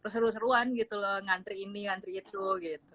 seru seruan gitu loh ngantri ini ngantri itu gitu